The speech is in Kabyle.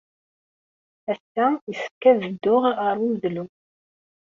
Ass-a, yessefk ad dduɣ ɣer umedlu.